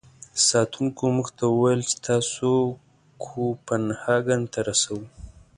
ساتونکو موږ ته و ویل چې تاسو کوپنهاګن ته رسوو.